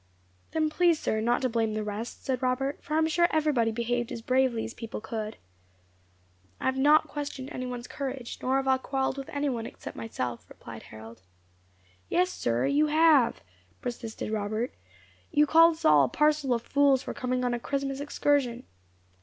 "Then please, sir, not to blame the rest," said Robert, "for I am sure everybody behaved as bravely as people could." "I have not questioned any one's courage, nor have I quarrelled with any one except myself," replied Harold. "Yes, sir, you have," persisted Robert, "you called us all a parcel of fools for coming on a Christmas excursion."